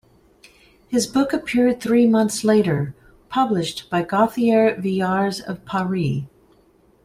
His book appeared three months later, published by Gauthier-Villars of Paris.